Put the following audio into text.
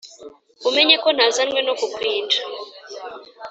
Umenye ko ntazanywe no kukwinja